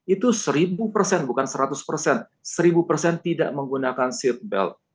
itu seribu bukan seratus seribu tidak menggunakan seatbelt